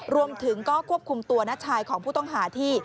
รวมถึงก็ควบคุมตัวน้าชายของผู้ต้องหาที่